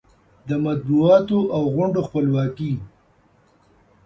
د مطبوعاتو او غونډو خپلواکي